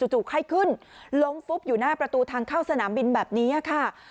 จู่ไข้ขึ้นล้มฟุบอยู่หน้าประตูทางเข้าสนามบินแบบนี้ค่ะ